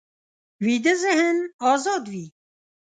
ویده ذهن ازاد وي